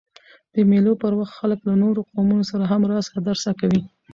د مېلو پر وخت خلک له نورو قومونو سره هم راسه درسه کوي.